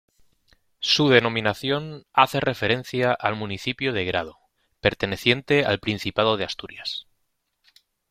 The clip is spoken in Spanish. Su denominación hace referencia al municipio de Grado, perteneciente al Principado de Asturias.